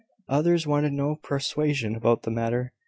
Others wanted no persuasion about the matter.